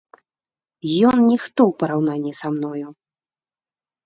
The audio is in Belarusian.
Ён ніхто ў параўнанні са мною.